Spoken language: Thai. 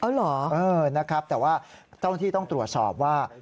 อ๋อเหรอนะครับแต่ว่าต้องที่ต้องตรวจสอบว่า